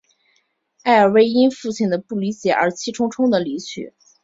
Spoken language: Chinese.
艾薇尔因父亲的不理解而气冲冲地离去。